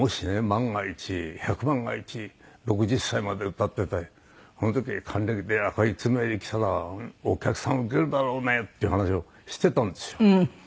万が一百万が一６０歳まで歌っててその時に還暦で赤い詰め襟着たらお客さんウケるだろうねっていう話をしてたんですよ。